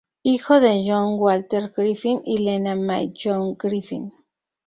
Hijo de John Walter Griffin y Lena May Young Griffin.